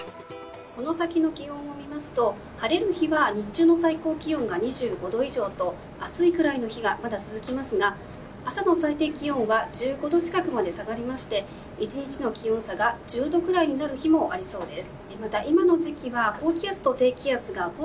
この先の気温を見ますと晴れる日は日中の最高気温は２５度以上と暑いくらいの日がまだ続きますが朝の最低気温は１５度近くまで下がりまして１日の気温差が１０度くらいになる日もあります。